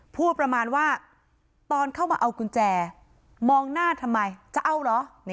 พูดประมาณว่าตอนเข้ามาเอากุญแจมองหน้าทำไมจะเอาเหรอ